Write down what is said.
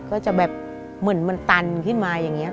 ก็จะแบบเหมือนมันตันขึ้นมาอย่างนี้